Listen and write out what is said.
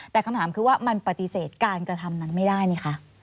แต่คำถามคือว่ามันปฏิเสธการกระทำนั้นไม่ได้นี่คะ